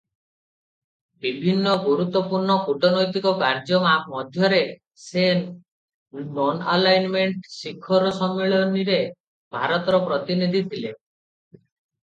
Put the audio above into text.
ବିଭିନ୍ନ ଗୁରୁତ୍ୱପୂର୍ଣ୍ଣ କୂଟନୈତିକ କାର୍ଯ୍ୟ ମଧ୍ୟରେ ସେ ନନ-ଆଲାଇନମେଣ୍ଟ ଶିଖର ସମ୍ମିଳନୀରେ ଭାରତର ପ୍ରତିନିଧି ଥିଲେ ।